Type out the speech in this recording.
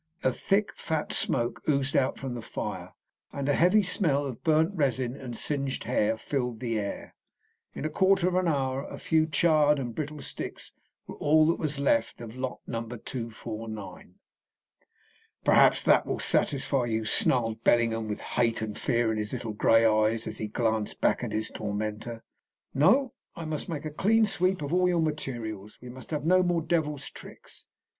A thick, fat smoke oozed out from the fire, and a heavy smell of burned rosin and singed hair filled the air. In a quarter of an hour a few charred and brittle sticks were all that was left of Lot No. 249. "Perhaps that will satisfy you," snarled Bellingham, with hate and fear in his little grey eyes as he glanced back at his tormenter. "No; I must make a clean sweep of all your materials. We must have no more devil's tricks.